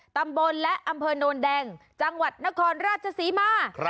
ตำบลและอำเภอโนนแดงจังหวัดนครราชศรีมา